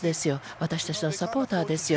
私たちのサポーターですよ。